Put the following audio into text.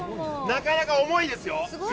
なかなか重いですよ。